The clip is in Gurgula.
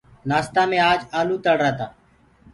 نآستآ مي آج آلوُ تݪرآ تآ۔